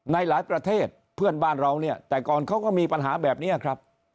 ในหลายประเทศเพื่อนบ้านเราเนี่ยแต่ก่อนเขาก็มีปัญหาแบบนี้ครับ